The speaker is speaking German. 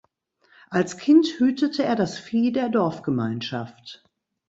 Als Kind hütete er das Vieh der Dorfgemeinschaft.